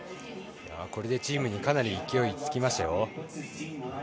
これでチームにかなり勢いがつきましたよ。